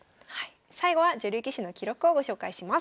最後は女流棋士の記録をご紹介します。